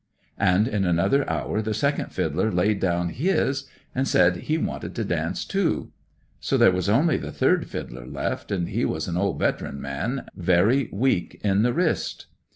And in another hour the second fiddler laid down his, and said he wanted to dance too; so there was only the third fiddler left, and he was a' old, veteran man, very weak in the wrist.